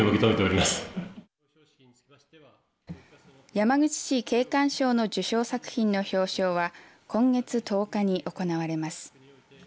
山口市景観賞の受賞作品の表彰は今月１０日に行われます。